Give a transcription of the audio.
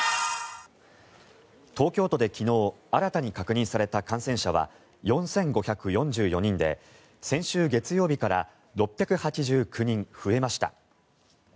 東京都で昨日、新たに確認された感染者は４５４４人で、先週月曜日から６８９人増えました。